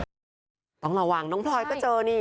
ต้องระวังน้องพลอยก็เจอนี่